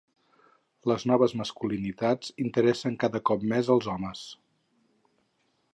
Les noves masculinitats interessen cada cop més als homes.